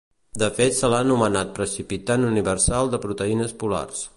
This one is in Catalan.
De fet se l'ha anomenat precipitant universal de proteïnes polars.